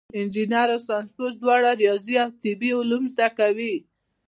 انجینر او ساینسپوه دواړه ریاضي او طبیعي علوم زده کوي.